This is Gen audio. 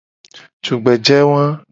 Tugbeje wa.